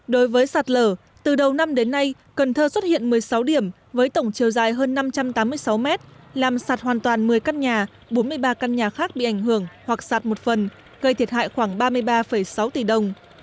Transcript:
đối với sạt lở từ đầu năm đến nay cần thơ xuất hiện một mươi sáu điểm với tổng chiều dài hơn năm trăm tám mươi sáu mét làm sạt hoàn toàn một mươi căn nhà bốn mươi ba căn nhà khác bị ảnh hưởng hoặc sạt một phần gây thiệt hại khoảng ba mươi ba sáu tỷ đồng